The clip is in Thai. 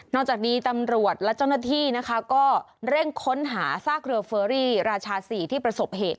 จากนี้ตำรวจและเจ้าหน้าที่นะคะก็เร่งค้นหาซากเรือเฟอรี่ราชา๔ที่ประสบเหตุ